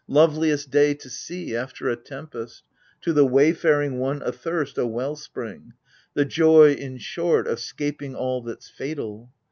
Loveliest day to see after a tempest, To the wayfaring one athirst a well spring, — The joy, in short, of scaping all that's— fatal